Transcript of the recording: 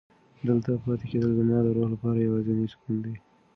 دلته پاتې کېدل زما د روح لپاره یوازینی سکون دی.